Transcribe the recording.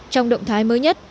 trong động thái mới nhất